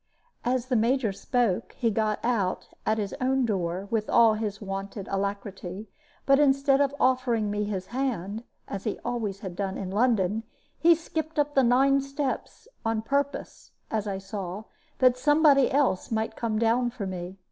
As the Major spoke, he got out at his own door with all his wonted alacrity; but instead of offering me his hand, as he always had done in London, he skipped up his nine steps, on purpose (as I saw) that somebody else might come down for me.